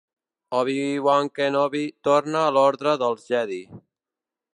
Obi-Wan Kenobi torna a l'Ordre dels Jedi.